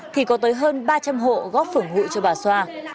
thì có tới hơn ba trăm linh hộ góp phưởng hụi cho bà xoa